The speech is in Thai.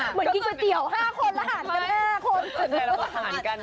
เหมือนกินก๋วยเตี๋ยว๕คนแล้วหารกัน๕คน